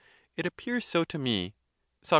It appears so to me. Soc.